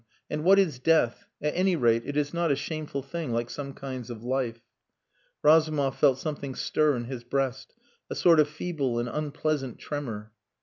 And what is death? At any rate, it is not a shameful thing like some kinds of life." Razumov felt something stir in his breast, a sort of feeble and unpleasant tremor.